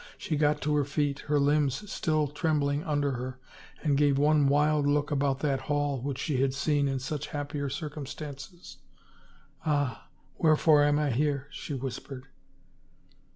She got to her feet, her limbs still trembling under her, and gave one wild look about that hall which she had seen in such happier circumstances. " Ah, wherefore am I here ?" she whispered.